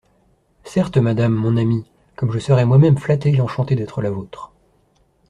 Certes, madame, mon amie, comme je serai moi-même flattée et enchantée d'être la vôtre.